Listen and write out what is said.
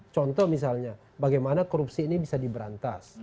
contoh misalnya bagaimana korupsi ini bisa diberantas